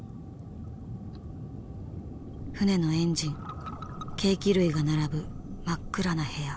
船のエンジン計器類が並ぶ真っ暗な部屋。